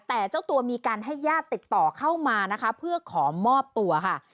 แต่เจ้าตัวมีการให้ญาติติดต่อเข้ามานะคะเพื่อขอมอบตัวค่ะ